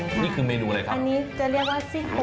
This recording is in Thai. ค่ะอันนี้คือเมนูเลยครับ